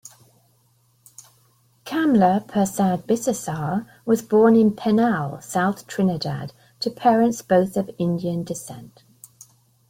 Kamla Persad-Bissessar was born in Penal, South Trinidad to parents both of Indian descent.